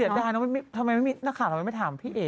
ดายนะทำไมไม่มีนักข่าวทำไมไม่ถามพี่เอ๋